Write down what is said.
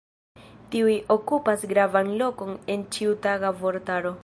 Tiuj okupas gravan lokon en ĉiutaga vortaro.